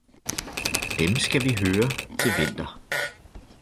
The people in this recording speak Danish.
Dem skal vi høre til vinter!